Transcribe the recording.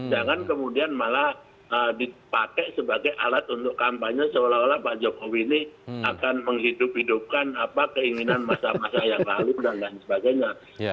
jangan kemudian malah dipakai sebagai alat untuk kampanye seolah olah pak jokowi ini akan menghidup hidupkan keinginan masa masa yang lalu dan lain sebagainya